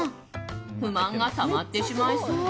不満がたまってしまいそう。